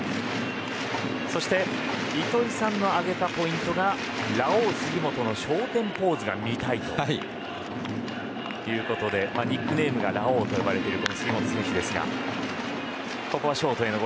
そして糸井さんが挙げたポイントがラオウ杉本の昇天ポーズが見たいということでニックネームがラオウと呼ばれている杉本選手ですが。